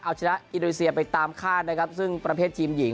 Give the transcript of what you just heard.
เอาชนะอินโดนีเซียไปตามคาดนะครับซึ่งประเภททีมหญิง